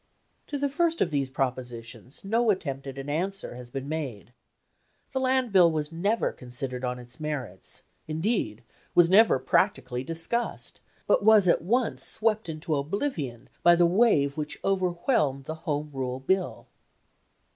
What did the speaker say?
To the first of these propositions no attempt at an answer has been made. The Land Bill was never considered on its merits; indeed, was never practically discussed, but was at once swept into oblivion by the wave which overwhelmed the Home Rule Bill.